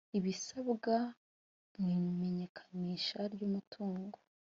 ibisabwa mu imenyekanisha ry’umutungo